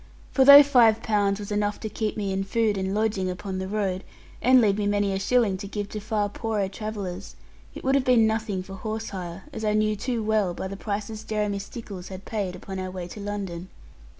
For though five pounds was enough to keep me in food and lodging upon the road, and leave me many a shilling to give to far poorer travellers, it would have been nothing for horse hire, as I knew too well by the prices Jeremy Stickles had paid upon our way to London.